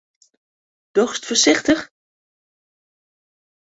Dochst foarsichtich?